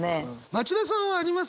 町田さんはあります？